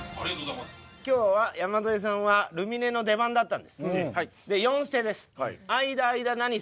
今日は山添さんはルミネの出番だったんです。